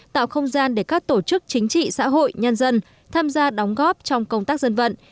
tạo không gian để các tổ chức chính trị xã hội nhân dân tham gia đóng góp trong công tác dân vận